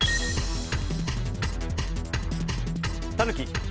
タヌキ。